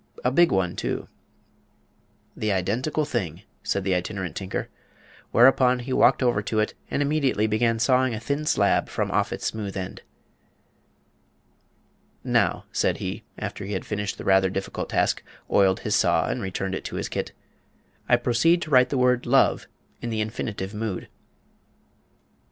A big one, too." "The identical thing," said the Itinerant Tinker. Whereupon he walked over to it and immediately began sawing a thin slab from off its smooth end. "Now," said he, after he had finished the rather difficult task, oiled his saw and returned it to his kit, "I proceed to write the word LOVE in the infinitive mood."